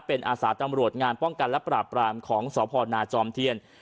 เป็นอาสาตำรวจงานป้องกันและปราบปรามของสพนาจอมเทียน